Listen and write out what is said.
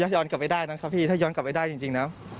ย้อนกลับไปได้นะครับพี่ถ้าย้อนกลับไปได้จริงแล้ว